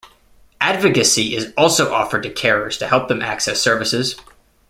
Advocacy is also offered to carers to help them access services.